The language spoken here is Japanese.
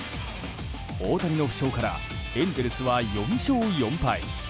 大谷の負傷からエンゼルスは４勝４敗。